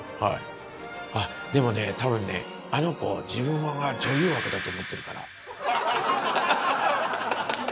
あっ、でもね、たぶんね、あの子、自分が女優枠だと思ってるから。